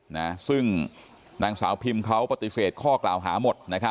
นะซึ่งนางสาวพิมเขาปฏิเสธข้อกล่าวหาหมดนะครับ